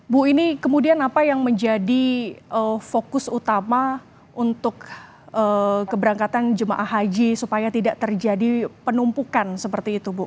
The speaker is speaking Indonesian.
bu ini kemudian apa yang menjadi fokus utama untuk keberangkatan jemaah haji supaya tidak terjadi penumpukan seperti itu bu